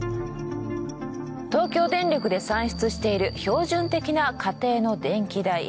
東京電力で算出している標準的な家庭の電気代。